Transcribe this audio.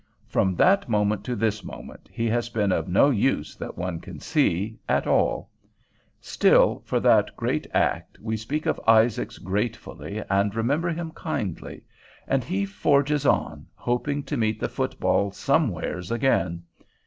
From that moment to this moment he has been of no use, that one can see, at all. Still, for that great act we speak of Isaacs gratefully and remember him kindly; and he forges on, hoping to meet the football somewhere again.